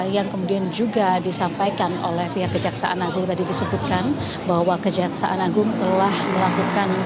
yang kemudian juga disampaikan oleh pihak kejaksaan agung tadi disebutkan bahwa kejaksaan agung telah melakukan